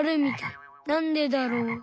なんでだろう？